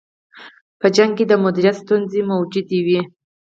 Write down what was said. په جګړه کې د مدیریت ستونزې موجودې وې.